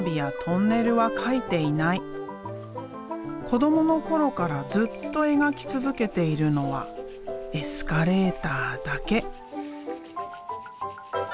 子どもの頃からずっと描き続けているのはエスカレーターだけ。